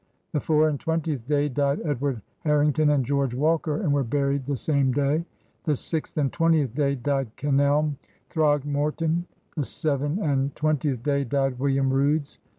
... The f oure and twentieth day died Edward Harring ton and George Walker and were buried the same day. The six and twentieth day died Kenelme Throgmortine. The seven and twentieth day died William Roods.